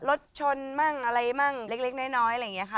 รถชนมั่งอะไรมั่งเล็กน้อยอะไรอย่างนี้ค่ะ